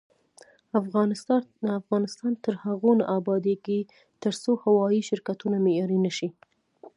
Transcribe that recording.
افغانستان تر هغو نه ابادیږي، ترڅو هوايي شرکتونه معیاري نشي.